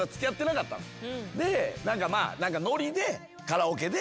で何かノリでカラオケで。